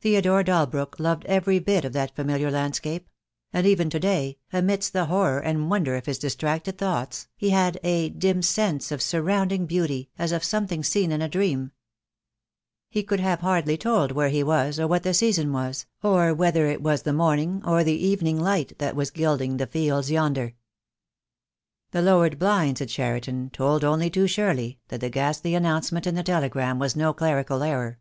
Theo dore Dalbrook loved every bit of that familiar landscape; and even to day, amidst the horror and wonder of his distracted thoughts, he had a dim sense of surrounding beauty, as of something seen in a dream. He could have THE DAY WILL COME. 85 hardly told where he was, or what the season was, or whether it was the morning or the evening light that was gilding the fields yonder. The lowered blinds at Cheriton told only too surely that the ghastly announcement in the telegram was no clerical error.